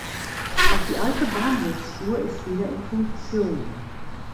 Auch die alte Bahnhofsuhr ist wieder in Funktion.